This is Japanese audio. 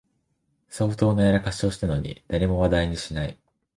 相当なやらかしなのに誰も話題にしない